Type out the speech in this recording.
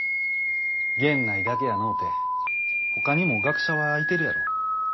源内だけやのうてほかにも学者はいてるやろ。